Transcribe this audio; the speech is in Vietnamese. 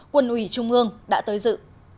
quân ủy trung ương đã tới dự